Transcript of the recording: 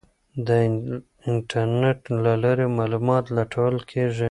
د انټرنیټ له لارې معلومات لټول کیږي.